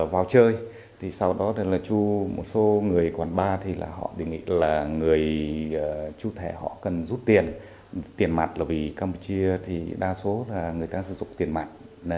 về quán ba thì họ đề nghị là người chủ thẻ họ cần rút tiền tiền mặt là vì campuchia thì đa số là người ta sử dụng tiền mặt